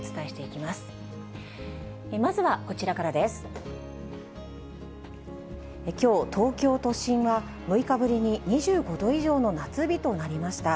きょう、東京都心は６日ぶりに２５度以上の夏日となりました。